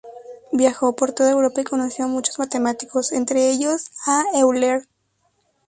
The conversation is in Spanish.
Viajó por toda Europa, y conoció a muchos matemáticos, entre ellos a Euler.